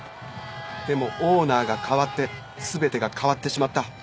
でもオーナーが代わって全てが変わってしまった。